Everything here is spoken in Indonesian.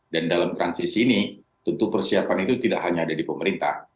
dan dalam transisi ini tentu persiapan itu tidak hanya ada di pemerintah